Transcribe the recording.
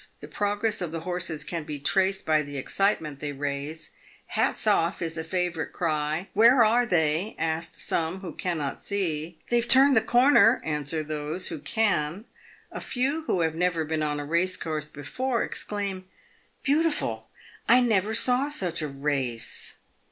The progress of the horses can be traced by the excitement they raise. "Hats off!" is a favourite cry. " Where are they ?" ask some who cannot see. " They've turned the corner," answer those who can. A few who have never been on a course before, exclaim, " Beautiful ! I never saw such a race."